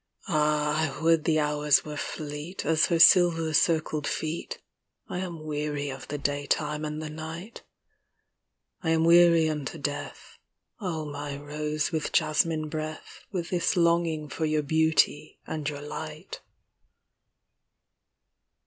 Ah, I would the hours were fleet As her silver circled feet. I am weary of the daytime and the night I am weary unto death, Oh my rose with jasmin breath, With this longing for your beauty and your light.